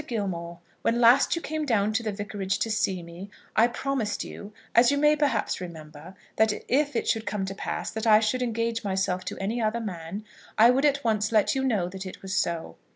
GILMORE, When last you came down to the Vicarage to see me I promised you, as you may perhaps remember, that if it should come to pass that I should engage myself to any other man, I would at once let you know that it was so.